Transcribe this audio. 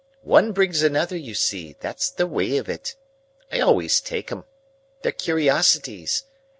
One brings another, you see; that's the way of it. I always take 'em. They're curiosities.